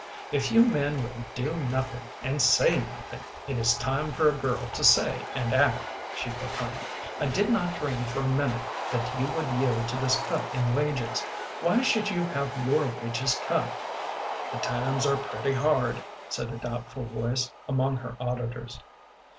"If you men will do nothing, and say nothing, it is time for a girl to say and act," she proclaimed. "I did not dream for a minute that you would yield to this cut in wages. Why should you have your wages cut?" "The times are pretty hard," said a doubtful voice among her auditors.